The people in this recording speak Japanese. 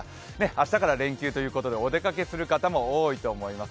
明日から連休ということでお出かけする方も多いと思います。